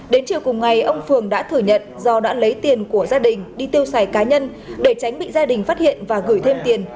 đến chiều cùng ngày ông phượng đã thừa nhận do đã lấy tiền của gia đình đi tiêu xài cá nhân để tránh bị gia đình phát hiện và gửi thêm tiền